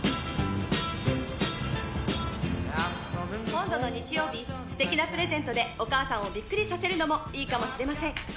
「今度の日曜日素敵なプレゼントでお母さんをびっくりさせるのもいいかもしれません」